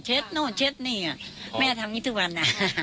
เช็ดโน้นเช็ดนี่แม่ทำอย่างนี้ทุกวันนะ